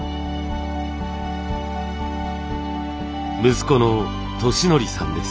息子の利訓さんです。